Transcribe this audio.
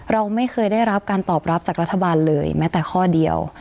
เราไม่เคยได้รับการตอบรับจากรัฐบาลเลยแม้แต่ข้อเดียว